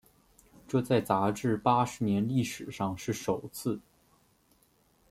这在杂志八十年历史上是首次。